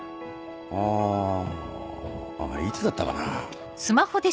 あぁいつだったかなぁ。